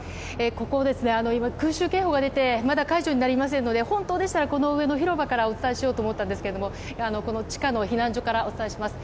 ここ今、空襲警報が出てまだ解除になりませんので本当でしたらこの上の広場からお伝えしようと思ったんですけども地下の避難所からお伝えします。